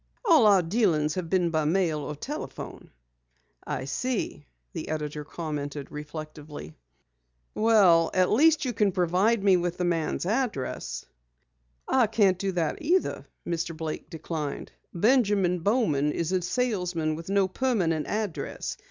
"All our dealings have been by mail or telephone." "I see," the editor commented reflectively. "Well, at least you can provide me with the man's address." "I can't do that either," Mr. Blake declined. "Benjamin Bowman is a salesman with no permanent address.